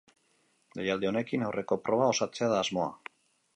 Deialdi honekin aurreko proba osatzea da asmoa.